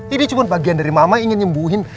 ini cuma bagian dari mama ingin nyembuhin